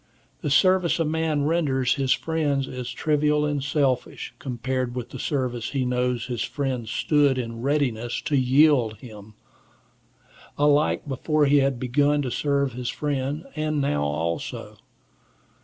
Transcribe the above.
The service a man renders his friend is trivial and selfish, compared with the service he knows his friend stood in readiness to yield him, alike before he had begun to serve his friend, and now also.